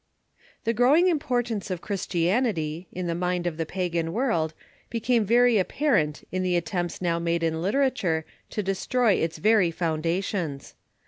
] The growing importance of Christianity, in the mind of the pagan world, became very apparent in the attempts now made in literature to destroy its very foundations.